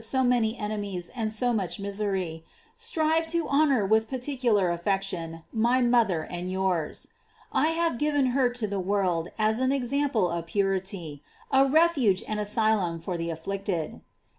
122 GLORIES OF MART. honor with particular affection my mother anfl yours. I have given her to the world as an ex> ample of purity, a refuge and asylum for the afflicted.